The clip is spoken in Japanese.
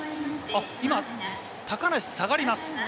今、高梨、下がります。